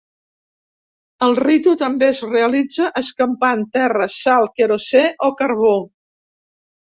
El ritu també es realitza escampant terra, sal, querosè o carbó.